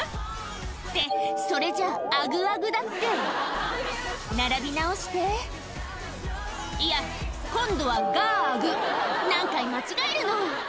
ってそれじゃＡＧＡＧだって並び直していや今度はＧＡＡＧ何回間違えるの！